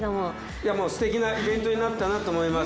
いやもうすてきなイベントになったなと思います。